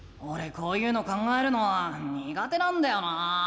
こういうの考えるのはにが手なんだよな。